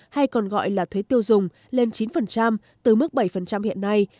hay còn gọi là thuế tiêu dùng lên chín từ mức bảy hiện nay